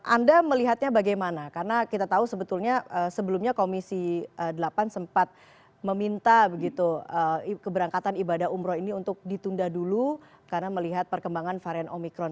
anda melihatnya bagaimana karena kita tahu sebetulnya sebelumnya komisi delapan sempat meminta begitu keberangkatan ibadah umroh ini untuk ditunda dulu karena melihat perkembangan varian omikron